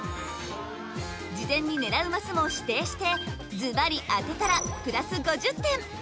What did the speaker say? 事前に狙うマスも指定してずばり当てたらプラス５０点！